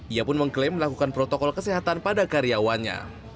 ia pun mengklaim melakukan protokol kesehatan pada karyawannya